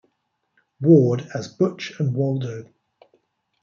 Ward as Butch and Waldo.